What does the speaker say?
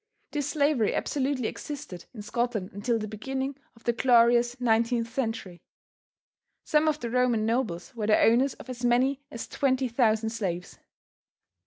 This slavery absolutely existed in Scotland until the beginning of the glorious 19th century. Some of the Roman nobles were the owners of as many as twenty thousand slaves.